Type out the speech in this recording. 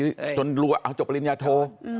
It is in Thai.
ส่วนรวยะอ้าวเป็นรู้จักว่าคนโบราณจบปริญญาโท